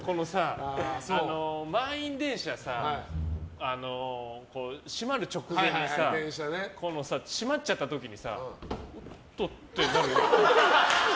満員電車さ、閉まる直前にさしまっちゃった時におっとってなる。